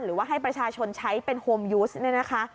หรือว่าให้ประชาชนใช้เป็นโฮมยูสเนี่ยนะคะ